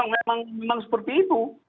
memang seperti itu